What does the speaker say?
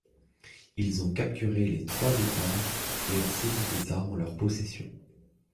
Ils ont capturé les trois etarres et ont saisi des armes en leur possession.